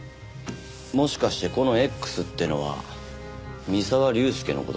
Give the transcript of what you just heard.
もしかしてこのＸってのは三沢龍介の事じゃねえのか？